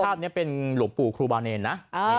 ภาพนี้เป็นหลวงปู่ครูบาเนรนะ